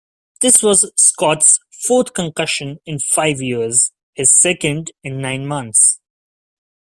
This was Scott's fourth concussion in five years, his second in nine months.